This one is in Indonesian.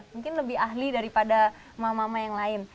mungkin lebih ahli daripada mama mama yang lain